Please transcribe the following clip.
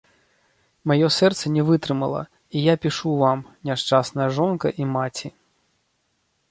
Маё сэрца не вытрымала, і я пішу вам, няшчасная жонка і маці.